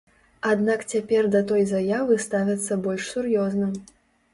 Аднак цяпер да той заявы ставяцца больш сур'ёзна.